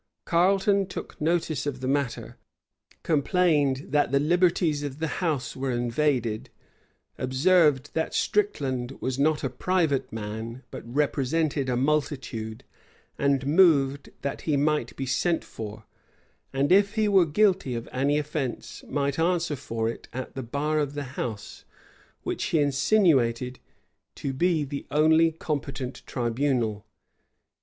Carleton took notice of the matter; complained that the liberties of the house were invaded; observed that Stricland was not a private man, but represented a multitude: and moved that he might be sent for, and if he were guilty of any offence, might answer for it at the bar of the house, which he insinuated to be the only competent tribunal.